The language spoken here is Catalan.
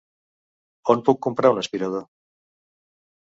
On puc comprar un aspirador?